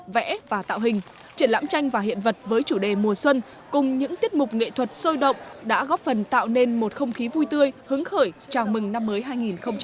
vẽ và tạo hình triển lãm tranh và hiện vật với chủ đề mùa xuân cùng những tiết mục nghệ thuật sôi động đã góp phần tạo nên một không khí vui tươi hứng khởi chào mừng năm mới hai nghìn hai mươi